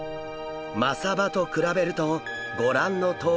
マサバと比べるとご覧のとおり。